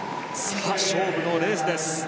勝負のレースです。